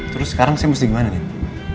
terus sekarang saya mesti gimana gitu